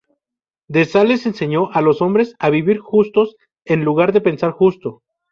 De Sales enseñó a los hombres a vivir justos en lugar de pensar justo.